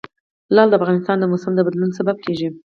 لعل د افغانستان د موسم د بدلون سبب کېږي.